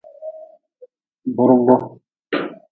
Burgu.